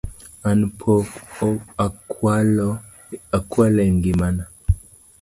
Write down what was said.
An pok akwalo e ngima na